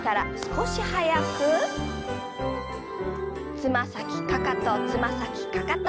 つま先かかとつま先かかと。